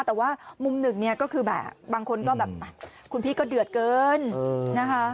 แต่ว่ามุมหนึ่งเนี่ยก็คือแบบบางคนก็แบบคุณพี่ก็เดือดเกินนะคะ